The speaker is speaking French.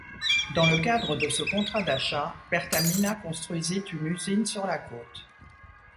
Dans le cadre de ce contrat d'achat, Pertamina construisit une usine sur la côte.